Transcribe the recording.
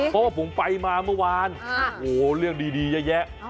เพราะว่าผมไปมาเมื่อวานโอ้โหเรื่องดีเยอะแยะ